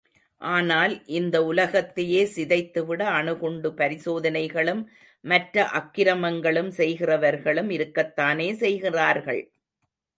ஆனால் இந்த உலகத்தையே சிதைத்து விட அணுகுண்டு பரிசோதனைகளும், மற்ற அக்கிரமங்களும் செய்கின்றவர்களும் இருக்கத்தானே செய்கிறார்கள்?